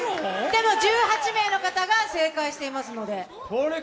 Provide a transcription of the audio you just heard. でも１８名の方が正解していますので。